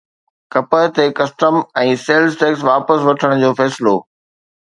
ڪپهه تي custom ۽ sales tax واپس وٺڻ جو فيصلو